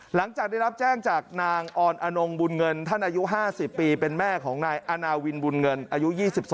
หลังจากได้รับแจ้งจากนางออนอนงบุญเงินท่านอายุ๕๐ปีเป็นแม่ของนายอาณาวินบุญเงินอายุ๒๒